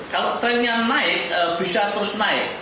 kalau trennya naik bisa terus naik